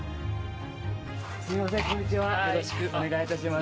すみません、こんにちはよろしくお願いいたします。